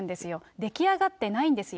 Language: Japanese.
出来上がってないんですよ。